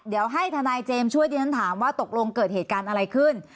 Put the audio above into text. เดี๋ยวให้ทนายเจมส์ช่วยดิฉันถามว่าตกลงเกิดเหตุการณ์อะไรขึ้น